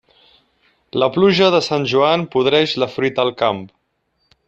La pluja de Sant Joan podreix la fruita al camp.